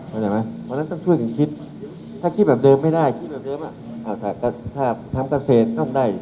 เพราะฉะนั้นต้องช่วยกันคิดถ้าคิดแบบเดิมไม่ได้คิดแบบเดิมถ้าทำเกษตรต้องได้